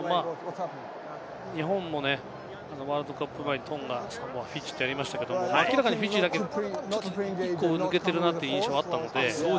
日本もワールドカップ前にトンガ、サモア、フィジーとやりましたけれども明らかにフィジーだけ抜けているなという印象があったので。